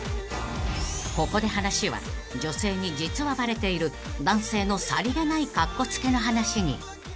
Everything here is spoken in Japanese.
［ここで話は女性に実はバレている男性のさりげないカッコつけの話に］